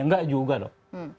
nggak juga loh